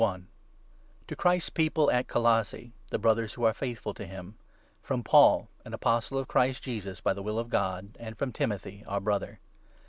Greetin ^° Christ's People at Colossae — the Brothers who i, 2 are faithful to him, FROM Paul, an Apostle of Christ Jesus, by the will of God, AND FROM Timothy, our Brother.